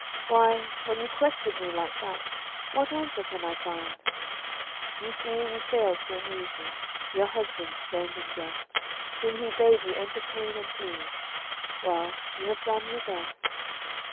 Why, when you question me like that, What answer can I find? You fear you failed to amuse me, Your husband's friend and guest, Whom he bade you entertain and please Well, you have done your best.